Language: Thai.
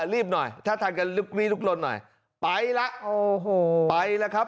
รีบหน่อยถ้าทันกันรีบรุกรนหน่อยไปล่ะโอ้โหไปล่ะครับ